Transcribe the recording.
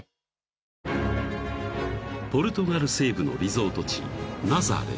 ［ポルトガル西部のリゾート地ナザレ］